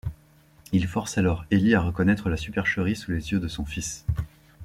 Il force alors Eli à reconnaitre la supercherie sous les yeux de son fils.